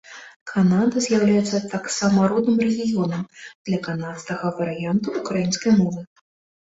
Канада з'яўляецца таксама родным рэгіёнам для канадскага варыянту ўкраінскай мовы.